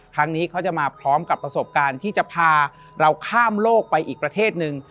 ทางนี้เขาจะมาพร้อมกับประสบการณ์ที่จะพาเราข้ามโลกไปอีกประเทศหนึ่ง